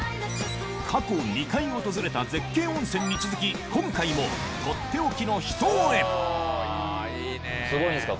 過去２回訪れた絶景温泉に続き今回もとっておきの秘湯へすごいんですか？